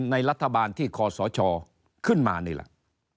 ในรัฐบาลที่คอสชขึ้นมานี่แหละ